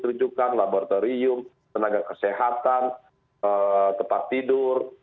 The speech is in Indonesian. rujukan laboratorium tenaga kesehatan tempat tidur